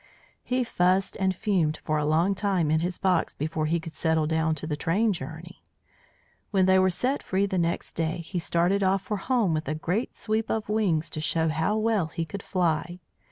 He fussed and fumed for a long time in his box before he could settle down to the train journey; when they were set free the next day he started off for home with a great sweep of wings to show how well he could fly.